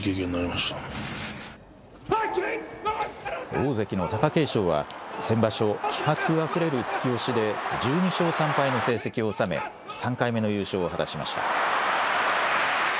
大関の貴景勝は先場所、気迫あふれる突き押しで、１２勝３敗の成績を収め、３回目の優勝を果たしました。